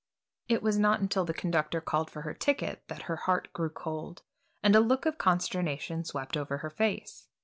It was not until the conductor called for her ticket that her heart grew cold, and a look of consternation swept over her face.